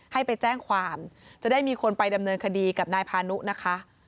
ให้ไปแจ้งความจะได้มีคนไปดำเนินคดีกับนายพานุนะคะ